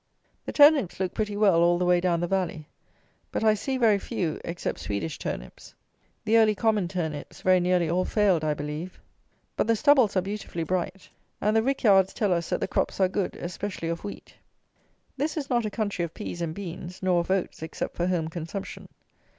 The turnips look pretty well all the way down the valley; but, I see very few, except Swedish turnips. The early common turnips very nearly all failed, I believe. But the stubbles are beautifully bright; and the rick yards tell us that the crops are good, especially of wheat. This is not a country of pease and beans, nor of oats, except for home consumption.